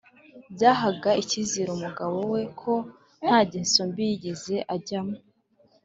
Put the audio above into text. byahaga icyizere umugabo we ko nta ngeso mbi yigeze ajyamo